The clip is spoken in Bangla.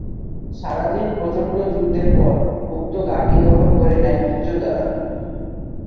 সারা দিন প্রচণ্ড যুদ্ধের পর উক্ত ঘাঁটি দখল করে নেন মুক্তিযোদ্ধারা।